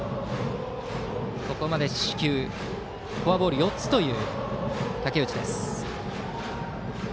ここまで四球フォアボール４つという武内。